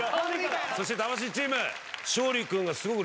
そして魂チーム。